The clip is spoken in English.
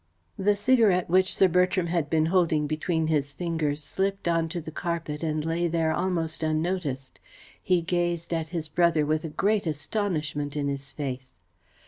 The cigarette which Sir Bertram had been holding between his fingers slipped on to the carpet and lay there almost unnoticed. He gazed at his brother with a great astonishment in his face.